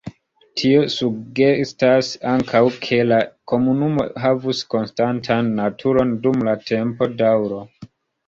Tio sugestas ankaŭ, ke la komunumo havus konstantan naturon dum la tempodaŭro.